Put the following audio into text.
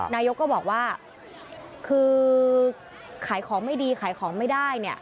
นายกก็บอกว่าคือขายของไม่ดีขายของไม่ได้เนี่ย